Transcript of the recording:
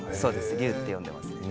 隆って呼んでます。